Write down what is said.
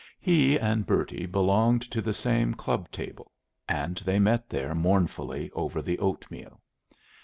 He and Bertie belonged to the same club table, and they met there mournfully over the oatmeal.